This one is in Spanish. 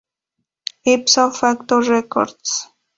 Ipso facto records.